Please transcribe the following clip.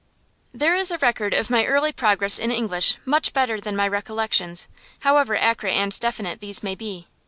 There is a record of my early progress in English much better than my recollections, however accurate and definite these may be.